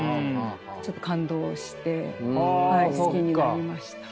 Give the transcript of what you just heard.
ちょっと感動して好きになりました。